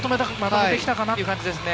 まとめてきたかなという感じですね。